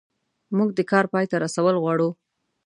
موږ د کار پای ته رسول غواړو.